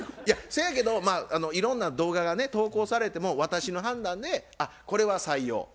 いやそやけどまあいろんな動画が投稿されても私の判断でこれは採用